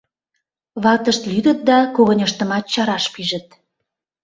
Ватышт лӱдыт да когыньыштымат чараш пижыт.